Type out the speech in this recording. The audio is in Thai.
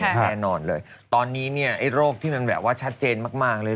แน่นอนเลยตอนนี้เนี่ยไอ้โรคที่มันแบบว่าชัดเจนมากเลย